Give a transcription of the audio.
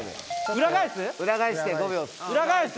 裏返して５秒です。